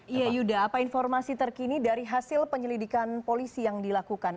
iya yuda apa informasi terkini dari hasil penyelidikan polisi yang dilakukan